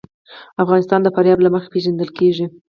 افغانستان د فاریاب له مخې پېژندل کېږي.